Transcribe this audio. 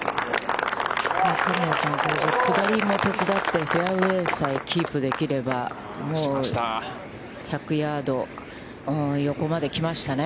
神谷さん、下りも手伝って、フェアウェイさえキープできれば、もう１００ヤード横まで来ましたね。